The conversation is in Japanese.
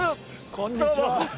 こんにちは。